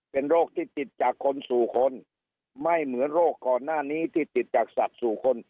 เป็นโรคที่ติดจากคนสู่คนไม่เหมือนโรคก่อนหน้านี้ที่ติดจากสัตว์สู่คน